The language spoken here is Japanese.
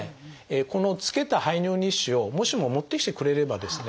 このつけた排尿日誌をもしも持ってきてくれればですね